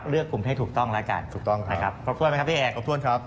เลือกความรู้สำหรับกว่ะกัน